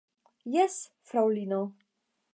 Jes, fraŭlino.